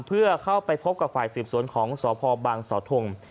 เพื่อเข้าไปพบกับฝ่ายสืบสวนของสพบังเสาทง